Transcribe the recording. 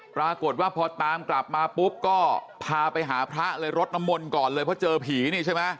ปรากฏว่าพอตามกลับมาปุ๊บก็พาไปหาพระเลยรดน้ำมนต์ก่อนเลยเพราะเจอผีนี่ใช่ไหม